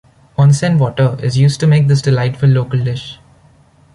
Onsen water is used to make this delightful local dish.